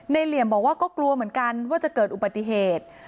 เหลี่ยมบอกว่าก็กลัวเหมือนกันว่าจะเกิดอุบัติเหตุ